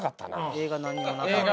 映画何にもなかった。